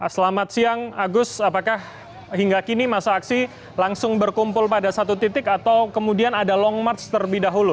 selamat siang agus apakah hingga kini masa aksi langsung berkumpul pada satu titik atau kemudian ada long march terlebih dahulu